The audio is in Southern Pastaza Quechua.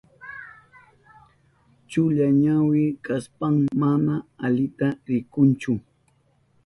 Chulla ñawi kashpan mana alita rikunchu.